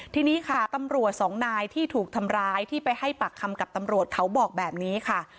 ทีนี้ค่ะตำรวจสองนายที่ถูกทำร้ายที่ไปให้ปากคำกับตำรวจเขาบอกแบบนี้ค่ะ